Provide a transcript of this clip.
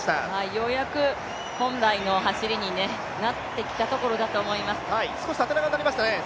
ようやく本来の走りになってきたところだと思います。